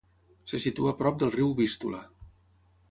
Se situa prop del riu Vístula.